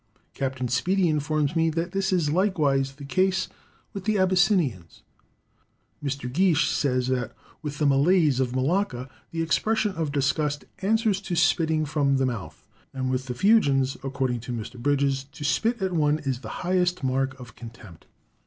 Captain Speedy informs me that this is likewise the case with the Abyssinians. Mr. Geach says that with the Malays of Malacca the expression of disgust "answers to spitting from the mouth;" and with the Fuegians, according to Mr. Bridges "to spit at one is the highest mark of contempt."